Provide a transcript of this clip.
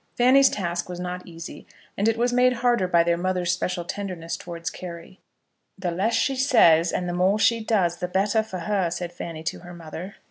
Fanny's task was not easy, and it was made the harder by their mother's special tenderness towards Carry. "The less she says and the more she does, the better for her," said Fanny to her mother.